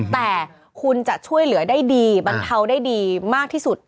แต่คุณจะช่วยเหลือได้ดีบรรเทาได้ดีมากที่สุด